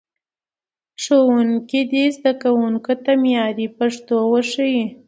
ښوونکي دې زدهکوونکو ته معیاري پښتو وښيي.